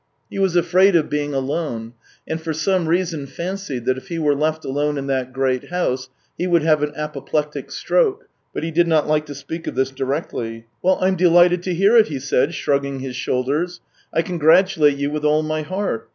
He was afraid of being alone, and for some reason fancied, that if he were left alone in that great house, he would have an apoplectic stroke, but he did not like to speak of this directly. " Well, I'm delighted to hear it," he said, shrugging his shoulders. " I congratulate you with all my heart.